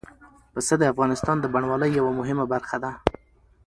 پسه د افغانستان د بڼوالۍ یوه مهمه برخه ده.